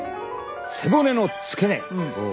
背骨の付け根。